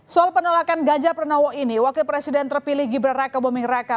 soal penolakan ganjar pranowo ini wakil presiden terpilih gibran raka buming raka